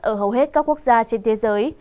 ở hầu hết các quốc gia trên thế giới